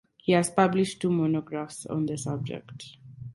He has published two monographs on the subject.